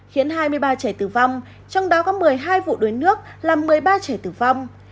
khiến hai mươi ba trẻ tử vong trong đó có một mươi hai vụ đuối nước làm một mươi ba trẻ tử vong